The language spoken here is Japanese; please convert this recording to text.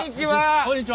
こんにちは！